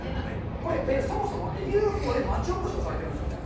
これ、そもそもＵＦＯで町おこしをされているんですよね？